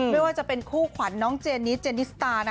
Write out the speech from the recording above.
ไม่ว่าจะเป็นคู่ขวัญน้องเจนิสเจนิสตาร์